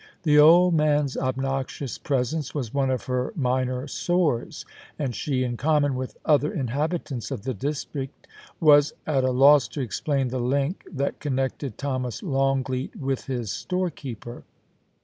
The old man's obnoxious presence was one of her minor sores ; and she, in common with other inhabitants of the district, was at a loss to explain the link that con nected Thomas Longleat with his storekeeper.